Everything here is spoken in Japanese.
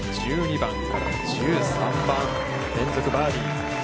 １２番から１３番、連続バーディー。